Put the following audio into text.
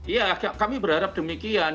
iya kami berharap demikian